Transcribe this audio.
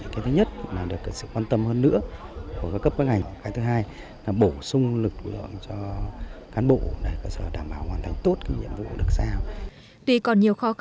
tuy còn nhiều khó khăn nhưng đảo kim bảng đã trở thành địa chỉ